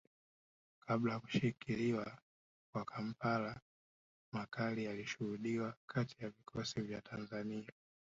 Kabla ya kushikiliwa kwa Kampala makali yalishuhudiwa kati ya vikosi vya Tanzania